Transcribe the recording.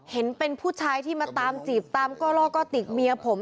เห็นเป็นผู้ชายที่มาตามจีบตามก้อล่อก้อติกเมียผม